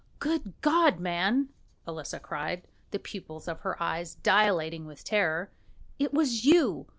"Good God, man!" Elisa cried, the pupils of her eyes dilating with terror, "it was you!